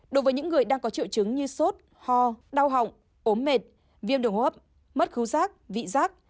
đối với những người đang có triệu chứng như sốt ho đau họng ốm mệt viêm đường hốp mất khú giác vị giác